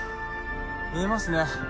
見えますね。